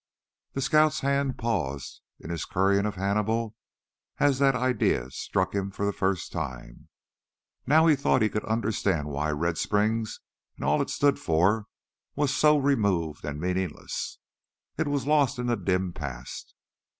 The scout's hand paused in his currying of Hannibal as that idea struck him for the first time. Now he thought he could understand why Red Springs and all it stood for was so removed and meaningless, was lost in the dim past.